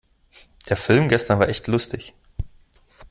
Der Film gestern war echt lustig.